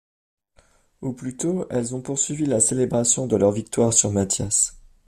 Ou plutôt elles ont poursuivi la célébration de leur victoire sur Mathias.